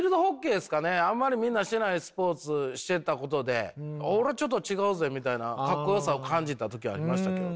あんまりみんなしてないスポーツしてたことでみたいな格好よさを感じた時ありましたけどね。